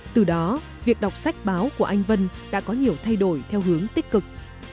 từ đó việc đọc sách báo của anh vân đã có nhiều thay đổi theo hướng tích cực